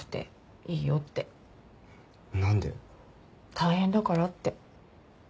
大変だからって。